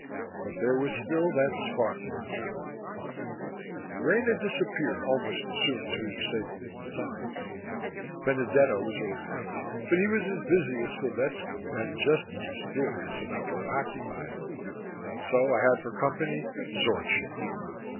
But there was still that spark in his eye. Rena disappeared almost as soon as we were safely in the tunnels. Benedetto was around, but he was as busy as Slovetski, and just as mysterious about what occupied him. So I had for company Zorchi.